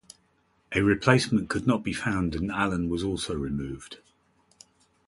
A replacement could not be found and Allen was also removed.